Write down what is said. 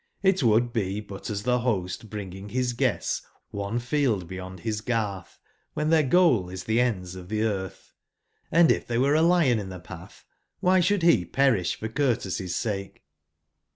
It would be but as the host bringing his guests onefield beyond his garth, when their goal is the ends of the earth; and if there were a lion in the path, why should he perish for courtesy's sahe?'